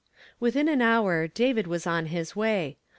Within an hour, David was on hi.^ way.